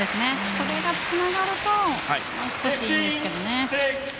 これがつながるともう少しいいんですけどね。